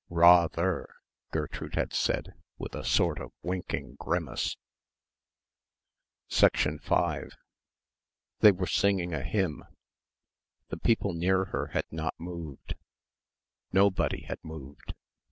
"Rather," Gertrude had said with a sort of winking grimace.... 5 They were singing a hymn. The people near her had not moved. Nobody had moved.